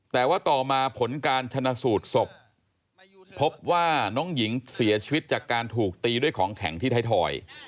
แต่ว่าต่อมาผลการชนะสูตรศพพบว่าน้องหญิงเสียชีวิตจากการถูกตีด้วยของแข็งที่ไทยทอย